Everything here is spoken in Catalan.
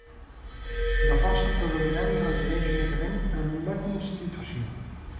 La força predominant resideix únicament en la constitució.